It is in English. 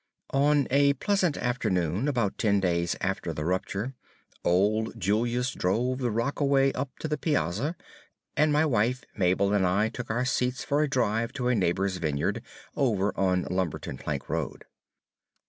One pleasant afternoon, about ten days after the rupture, old Julius drove the rockaway up to the piazza, and my wife, Mabel, and I took our seats for a drive to a neighbor's vineyard, over on the Lumberton plank road.